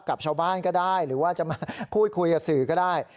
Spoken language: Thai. กับชาวบ้านก็ได้หรือว่าจะมาพูดคุยกับสื่อก็ได้